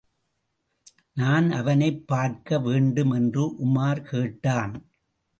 நான் அவனைப் பார்க்க வேண்டும் என்று உமார் கேட்டான்.